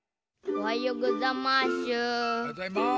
おはようございます。